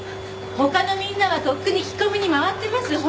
他のみんなはとっくに聞き込みに回ってます。